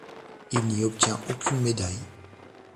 Il n'y obtient aucune médaille.